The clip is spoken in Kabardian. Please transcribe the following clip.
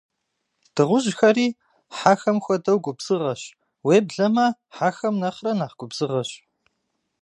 Дыгъужьхэри, хьэхэм хуэдэу, губзыгъэщ, уеблэмэ хьэхэм нэхърэ нэхъ губзыгъэщ.